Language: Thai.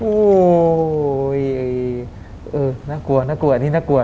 โอ้โหน่ากลัวน่ากลัวอันนี้น่ากลัว